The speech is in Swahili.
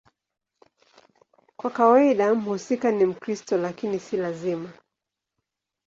Kwa kawaida mhusika ni Mkristo, lakini si lazima.